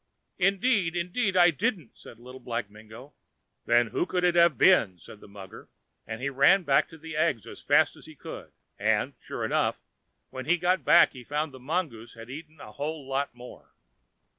"Indeed, indeed, I didn't," said Little Black Mingo. "Then who could it have been?" said the mugger, and he ran back to the eggs as fast as he could, and, sure enough, when he got back he found the mongoose had eaten a whole lot more!!